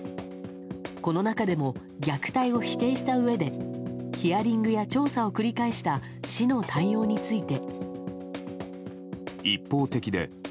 この中でも虐待を否定したうえでヒアリングや調査を繰り返した市の対応について。